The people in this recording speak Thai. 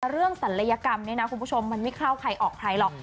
ศัลยกรรมเนี่ยนะคุณผู้ชมมันไม่เข้าใครออกใครหรอก